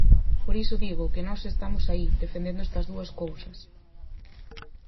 Por iso digo que nós estamos aí, defendendo estas dúas cousas.